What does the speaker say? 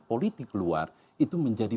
politik luar itu menjadi